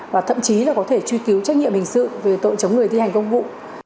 và thậm chí là có thể truy cứu trách nhiệm hình sự về tội chống người thi hành công vụ